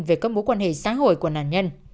về các mối quan hệ xã hội của nạn nhân